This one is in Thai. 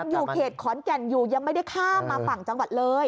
อยู่เขตขอนแก่นอยู่ยังไม่ได้ข้ามมาฝั่งจังหวัดเลย